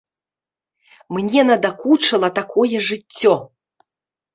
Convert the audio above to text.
Мне надакучыла такое жыццё.